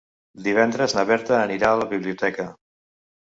Divendres na Berta anirà a la biblioteca.